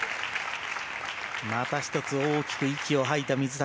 また１つ大きく息を吐いた水谷。